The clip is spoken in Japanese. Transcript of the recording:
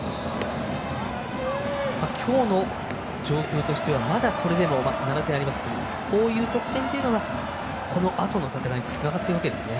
今日の状況としてはまだそれでも７点ありますがこういう得点がこのあとの戦いにつながっていくわけですね。